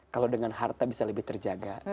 kalau dengan harta bisa lebih terjaga